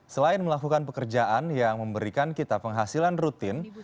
selain melakukan pekerjaan yang memberikan kita penghasilan rutin